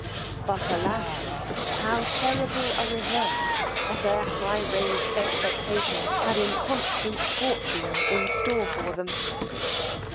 But, alas! how terrible a reverse of their high raised expectations had inconstant fortune in store for them.